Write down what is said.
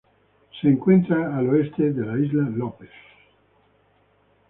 Se encuentra al este de la Isla López.